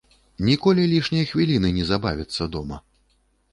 Ніколі лішняй хвіліны не забавіцца дома.